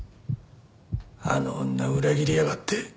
あの女裏切りやがって。